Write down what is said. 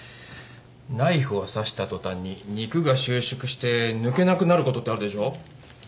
ナイフを刺した途端に肉が収縮して抜けなくなることってあるでしょ。